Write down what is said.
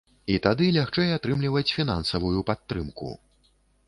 І тады лягчэй атрымліваць фінансавую падтрымку.